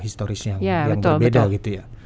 historis yang berbeda gitu ya